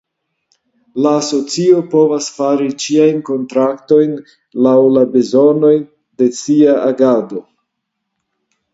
La Asocio povas fari ĉiajn kontraktojn laŭ la bezonoj de sia agado.